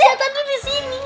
ya kan tuh disini